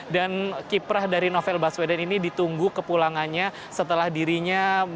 kiprah dari novel baswedan ini ditunggu kepulangannya setelah dirinya